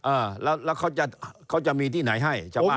เออแล้วเขาจะมีที่ไหนให้จากบ้าน